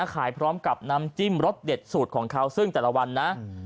ขายพร้อมกับน้ำจิ้มรสเด็ดสูตรของเขาซึ่งแต่ละวันนะ